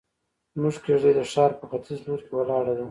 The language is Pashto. زموږ کيږدۍ د ښار په ختيز لور کې ولاړه ده.